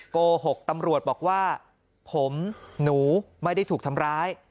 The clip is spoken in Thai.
โกหกตำรวจบอกว่าผมหนูไม่ได้ถูกทำร้าย